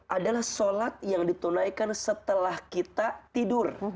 adalah sholat yang ditunaikan setelah kita tidur